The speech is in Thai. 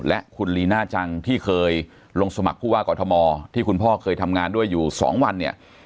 และคุณลีน่าจังที่เคยลงสมัครผู้ว่ากอทมที่คุณพ่อเคยทำงานด้วยอยู่๒วันเนี่ย